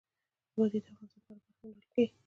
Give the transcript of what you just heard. وادي د افغانستان په هره برخه کې موندل کېږي.